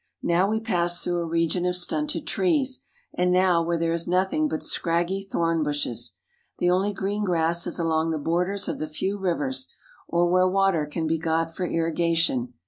Now we pass through a region of stunted trees, and now where there is nothing but scraggy thorn bushes. The only green grass is along the borders of the few rivers, or where water can be got for irrigation.